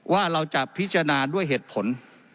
ว่าเราจะพิจารณาด้วยเหตุผล